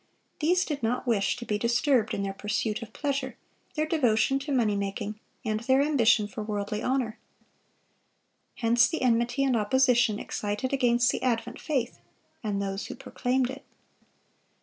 These did not wish to be disturbed in their pursuit of pleasure, their devotion to money making, and their ambition for worldly honor. Hence the enmity and opposition excited against the advent faith and those who proclaimed it.